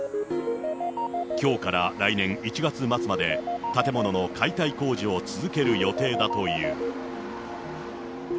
きょうから来年１月末まで、建物の解体工事を続ける予定だという。